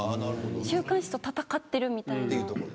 週刊誌と戦ってるみたいな。